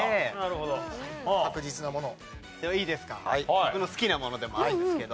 僕の好きなものでもあるんですけど。